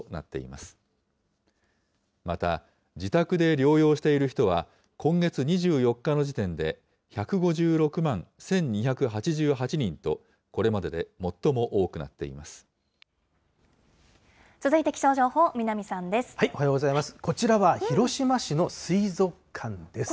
また、自宅で療養している人は、今月２４日の時点で１５６万１２８８人と、これまでで最も多くな続いて気象情報、南さんです。